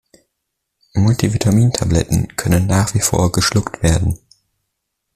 Multivitamintabletten können nach wie vor geschluckt werden.